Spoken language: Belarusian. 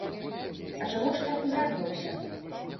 А чаго ж так узрадаваўся?